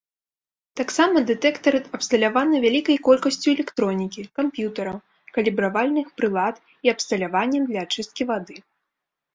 Таксама дэтэктар абсталяваны вялікай колькасцю электронікі, камп'ютараў, калібравальных прылад і абсталяваннем для ачысткі вады.